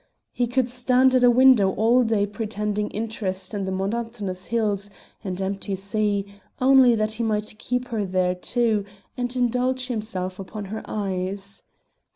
He could stand at a window all day pretending interest in the monotonous hills and empty sea, only that he might keep her there too and indulge himself upon her eyes.